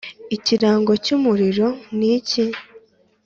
ikirango cy'umuriro ni icyi